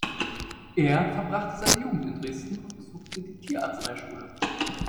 Er verbrachte seine Jugend in Dresden und besuchte die Tierarzneischule.